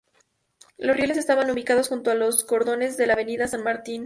Los rieles estaban ubicados junto a los cordones de la Avenida San Martín.